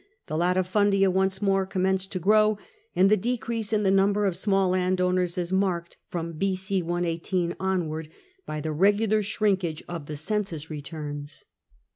The latifundia once more commenced to grow up, and the decrease in the number of small landowners is marked from B.c. 1 18 onward by the regular shrinkage of the census returns.